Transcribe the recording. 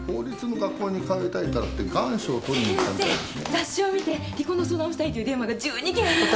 雑誌を見て離婚の相談をしたいという電話が１２件ありました。